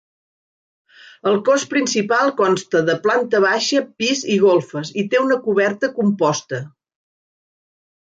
El cos principal consta de planta baixa, pis i golfes, i té una coberta composta.